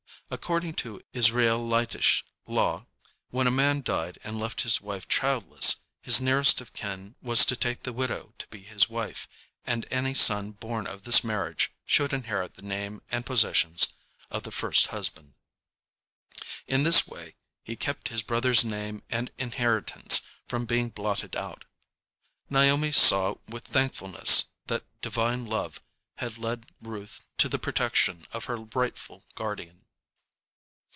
According to Israelitish law, when a man died and left his wife childless, his nearest of kin was to take the widow to be his wife, and any son born of this marriage should inherit the name and possessions of the first husband. In this way he kept his brother's name and inheritance from being blotted out. Naomi saw with thankfulness that Divine Love had led Ruth to the protection of her rightful guardian.